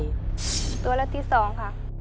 ตัวเลือกที่สองค่ะ